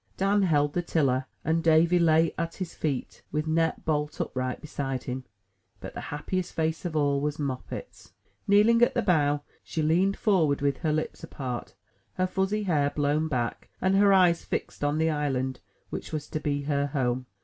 Dan held the tiller, and Davy lay at his feet, with Nep bolt upright beside him, but the happiest face of all was Moppet's. Kneeling at the bow, she leaned forward, with her lips apart, her fuzzy hair blown back, and her eyes fixed on the island which was to be her home.